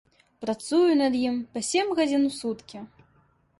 Працую над ім па сем гадзін у суткі.